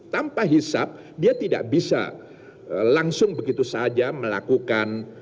tanpa hisap dia tidak bisa langsung begitu saja melakukan